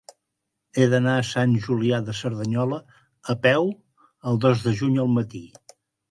He d'anar a Sant Julià de Cerdanyola a peu el dos de juny al matí.